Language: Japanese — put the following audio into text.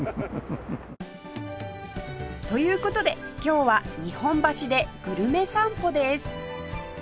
という事で今日は日本橋でグルメ散歩です